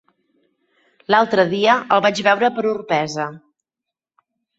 L'altre dia el vaig veure per Orpesa.